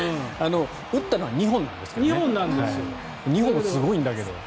打ったのは２本なんですけどね。